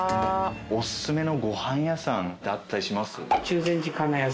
おすすめのご飯屋さんってあったりします？